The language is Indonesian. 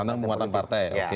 tentang penguatan partai oke